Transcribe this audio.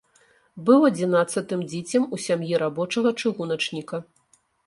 Быў адзінаццатым дзіцем у сям'і рабочага-чыгуначніка.